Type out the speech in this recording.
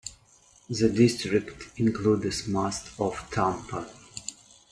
The district includes most of Tampa.